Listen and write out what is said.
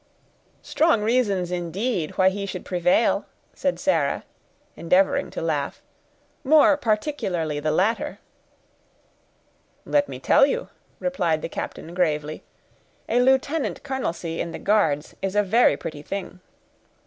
"Strong reasons, indeed, why he should prevail," said Sarah, endeavoring to laugh; "more particularly the latter." "Let me tell you," replied the captain, gravely, "a lieutenant colonelcy in the Guards is a very pretty thing."